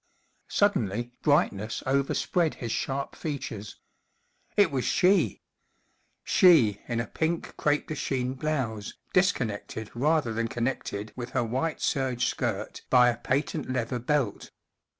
Suddenly brightness overspread his sharp features. It was she 1 She, in a pink crepe de Chine blouse, disconnected rather than connected with her white serge skirt by a patent leather belt.